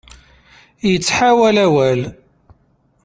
Ittḥawal awal.